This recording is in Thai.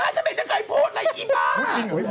ขาชะเม่จะค้นพูดเลยอีบัก